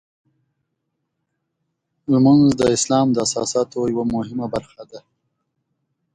لمونځ د اسلام د اساساتو یوه مهمه برخه ده.